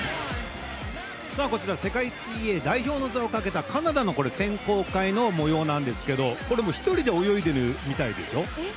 世界水泳代表の座をかけたカナダの選考会の模様なんですが１人で泳いでるみたいでしょ？